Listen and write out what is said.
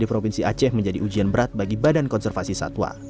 dalam dua tahun ini memakan tiga korban tewas